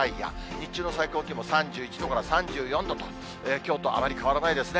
日中の最高気温も３１度から３４度と、きょうとあまり変わらないですね。